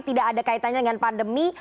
tidak ada kaitannya dengan pandemi